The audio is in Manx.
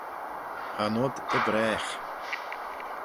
Cha nod dy bragh.